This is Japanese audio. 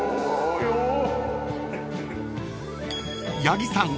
［八木さん